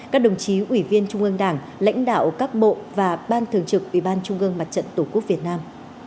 các đồng chí ủy viên trung ương đảng lãnh đạo các bộ và ban thường trực ủy ban trung ương mặt trận tổ quốc việt nam